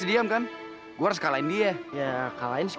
iya kalahin sih kalahin